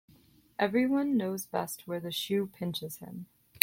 Every one knows best where the shoe pinches him.